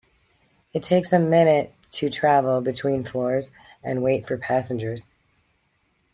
It takes a minute to travel between floors and wait for passengers.